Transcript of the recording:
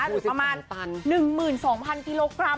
หรือประมาณ๑๒๐๐กิโลกรัม